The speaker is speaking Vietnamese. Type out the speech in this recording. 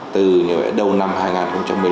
từ một mươi bốn xã đã có tám xã đặt nông thuận mới